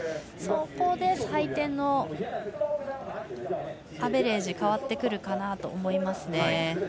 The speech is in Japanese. そこで採点のアベレージが変わってくるかなと思います。